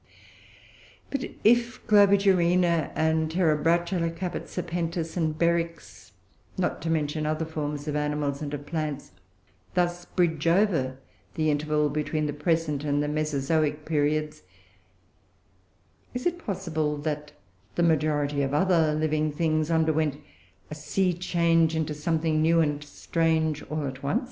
But if Globigerina, and Terebratula caput serpentis and Beryx, not to mention other forms of animals and of plants, thus bridge over the interval between the present and the Mesozoic periods, is it possible that the majority of other living things underwent a "sea change into something new and strange" all at once?